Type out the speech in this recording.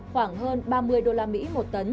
khoảng hơn ba mươi usd một tấn